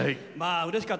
うれしかった。